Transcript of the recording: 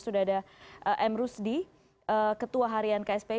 sudah ada m rusdi ketua harian kspi